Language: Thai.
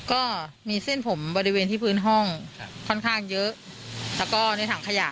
ก็มีเส้นผมบริเวณที่พื้นห้องครับค่อนข้างเยอะแล้วก็ในถังขยะ